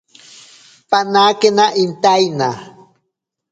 Panakena intaina.